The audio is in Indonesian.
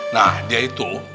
nah dia itu